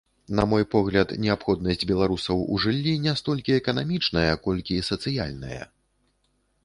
На мой погляд, неабходнасць беларусаў у жыллі не столькі эканамічная, колькі сацыяльная.